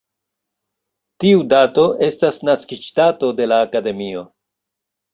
Tiu dato estas naskiĝdato de la akademio.